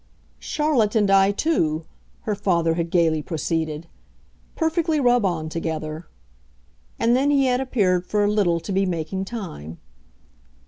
"Charlotte and I too," her father had gaily proceeded, "perfectly rub on together." And then he had appeared for a little to be making time.